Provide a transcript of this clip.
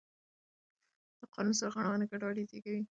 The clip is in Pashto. د قانون سرغړونه ګډوډي زېږوي